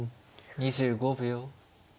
２５秒。